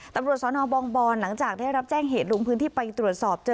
ตำรวจสนบองบอนหลังจากได้รับแจ้งเหตุลงพื้นที่ไปตรวจสอบเจอ